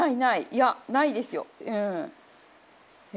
いやないですよ。